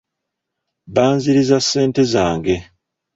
Banzirizza ssente zange.